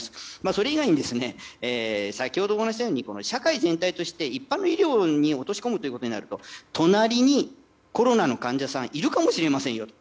それ以外に先ほどお話ししたように社会全体として一般医療に落とし込むということになると隣にコロナの患者さんがいるかもしれませんよと。